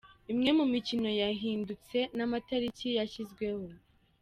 Imwe mu mikino yahindutse n’amatariki yashyizweho.